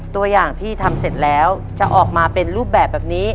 ตัวอย่างที่ทำเสร็จแล้วจะออกมาเป็นรูปแบบนี้